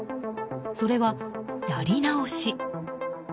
それは、やり直し。